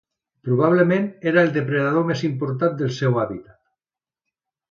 Probablement era el depredador més important del seu hàbitat.